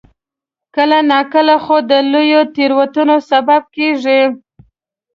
کله ناکله خو د لویو تېروتنو سبب کېږي.